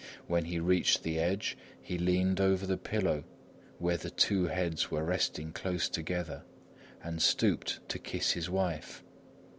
When he reached the edge, he leaned over the pillow where the two heads were resting close together and stooped to kiss his wife.